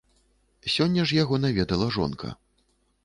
Сёння ж яго наведала жонка.